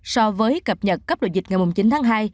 so với cập nhật cấp độ dịch ngày chín tháng hai